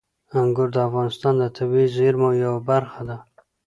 انګور د افغانستان د طبیعي زیرمو یوه برخه ده.